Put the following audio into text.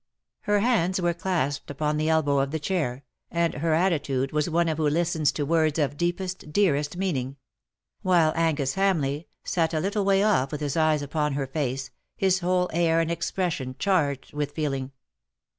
Her hands were clasped upon the elbow of the chair, and her attitude was of one who listens to words of deepest, dearest meaning ; while Angus Hamleigh sat a little way off with his eyes upon her face, his whole air and expression charged with feeling.